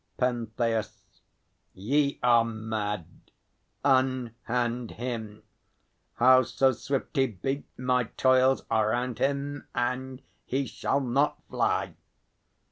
PENTHEUS. Ye are mad! Unhand him. Howso swift he be, My toils are round him and he shall not fly.